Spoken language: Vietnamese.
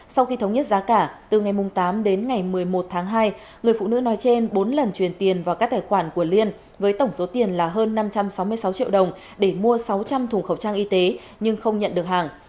sau khi thống nhất giá cả từ ngày tám đến ngày một mươi một tháng hai người phụ nữ nói trên bốn lần truyền tiền vào các tài khoản của liên với tổng số tiền là hơn năm trăm sáu mươi sáu triệu đồng để mua sáu trăm linh thùng khẩu trang y tế nhưng không nhận được hàng